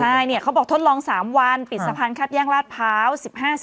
ใช่เนี้ยเขาบอกทดลองสามวันปิดสะพรรณคับแห้งราชพาวสิบ